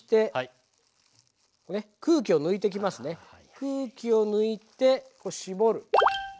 空気を抜いてこう絞る。